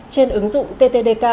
trên ứng dụng ttdk